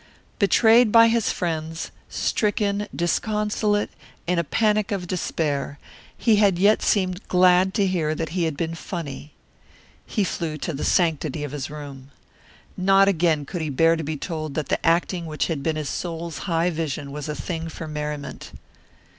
Betrayed by his friends, stricken, disconsolate, in a panic of despair, he had yet seemed glad to hear that he had been "funny." He flew to the sanctity of his room. Not again could he bear to be told that the acting which had been his soul's high vision was a thing for merriment.